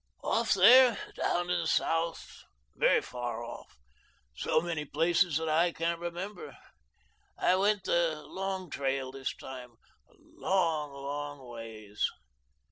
"Off there, down to the south, very far off. So many places that I can't remember. I went the Long Trail this time; a long, long ways.